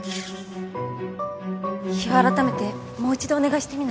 日を改めてもう一度お願いしてみない？